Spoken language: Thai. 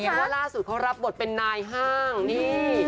เพราะว่าล่าสุดเขารับบทเป็นนายห้างนี่